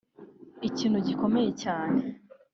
Ikintu gikomeye cyane